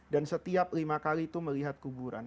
dan setiap lima kali itu melihat kuburan